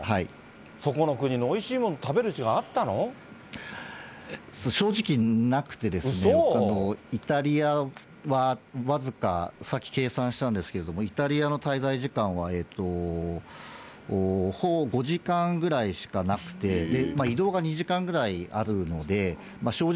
そこの国のおいしいものを食べる正直なくてですね、イタリアは僅か、さっき計算したんですけれども、イタリアの滞在時間はほぼ５時間ぐらいしかなくて、移動が２時間ぐらいあるので、正直、